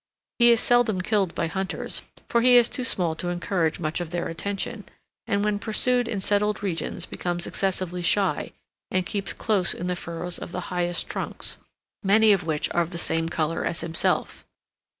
He is seldom killed by hunters, for he is too small to encourage much of their attention, and when pursued in settled regions becomes excessively shy, and keeps close in the furrows of the highest trunks, many of which are of the same color as himself.